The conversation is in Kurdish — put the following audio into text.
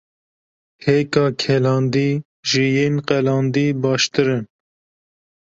Hêka kelandî ji yên qelandî baştir in.